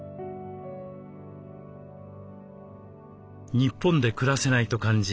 日本で暮らせないと感じ